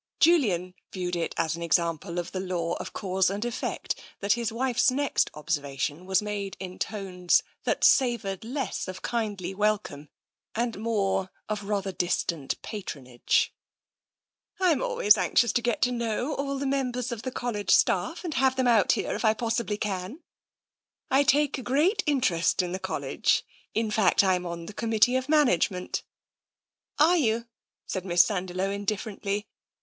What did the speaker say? Julian viewed it as an example of the law of cause and effect that his wife's next observation was made in tones that savoured less of kindly welcome' and more of rather distant patronage. " I am always anxious to get to know all the mem bers of the College staff, and have them out here if I possibly can. I take a great interest in the College. In fact, I'm on the committee of management." "Are you?" said Miss Sandiloe indifferently.